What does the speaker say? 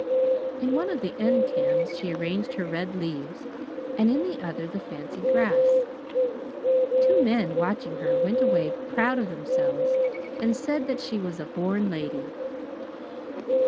In one of the end cans she arranged her red leaves, and in the other the fancy grass. Two men, watching her, went away proud of themselves and said that she was "a born lady."